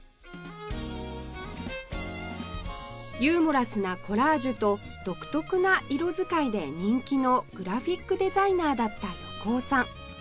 ユーモラスなコラージュと独特な色使いで人気のグラフィックデザイナーだった横尾さん